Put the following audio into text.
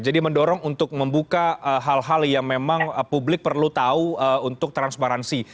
jadi mendorong untuk membuka hal hal yang memang publik perlu tahu untuk transparansi